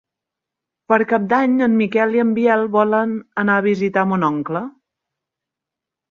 Per Cap d'Any en Miquel i en Biel volen anar a visitar mon oncle.